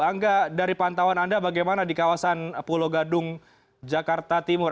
angga dari pantauan anda bagaimana di kawasan pulau gadung jakarta timur